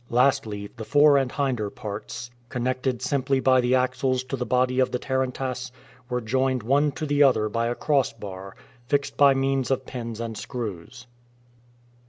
Lastly, the fore and hinder parts, connected simply by the axles to the body of the tarantass, were joined one to the other by a crossbar, fixed by means of pins and screws.